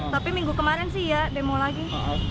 tapi minggu kemarin sih ya demo lagi